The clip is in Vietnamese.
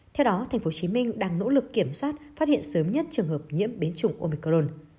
theo đó tp hcm đang nỗ lực kiểm soát phát hiện sớm nhất trường hợp nhiễm biến chủng omicron